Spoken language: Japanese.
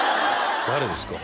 誰ですか？